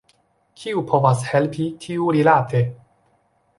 Kiu povas helpi tiurilate?